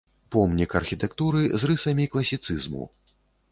Помнік архітэктуры з рысамі класіцызму.